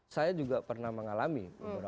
saya juga pernah mengalami